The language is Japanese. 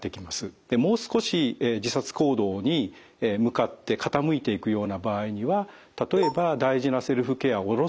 もう少し自殺行動に向かって傾いていくような場合には例えば大事なセルフケアをおろそかにする。